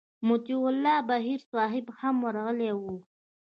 مطیع الله بهیر صاحب هم ورغلی و.